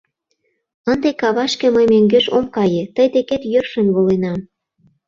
Ынде кавашке мый мӧҥгеш ом кае, тый декет йӧршын воленам...